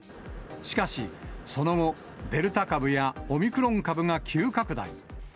しかし、その後、デルタ株やオミクロン株が急拡大。